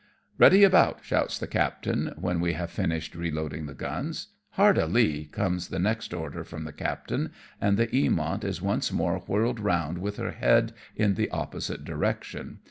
" Ready about, " shouts the captain, when we have finished reloading the guns. " Hard a lee," comes the next order from the captain, and the Hamont is once more whirled round with her head in the opposite direction.